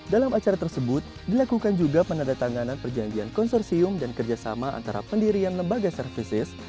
dalam acara tersebut dilakukan juga penandatanganan perjanjian konsorsium dan kerjasama antara pendirian lembaga services